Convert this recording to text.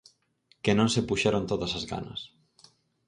Que non se puxeron todas as ganas.